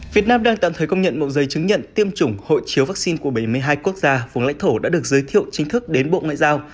việt nam đang tạm thời công nhận một giấy chứng nhận tiêm chủng hộ chiếu vaccine của bảy mươi hai quốc gia vùng lãnh thổ đã được giới thiệu chính thức đến bộ ngoại giao